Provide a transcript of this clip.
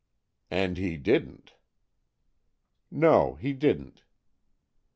"And he didn't." "No, he didn't."